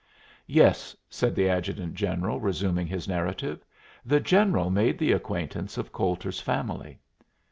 "Yes," said the adjutant general, resuming his narrative, "the general made the acquaintance of Coulter's family.